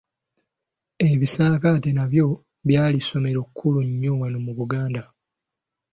Ebisaakaate nabyo byali ssomero kkulu nnyo wano mu Buganda.